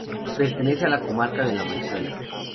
Pertenece a la comarca de la Manchuela.